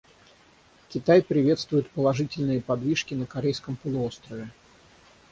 Китай приветствует положительные подвижки на Корейском полуострове.